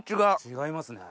違いますね。